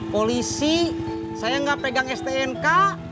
polisi saya nggak pegang stnk